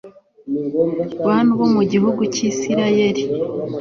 bantu bo mu gihugu cy'isirayeli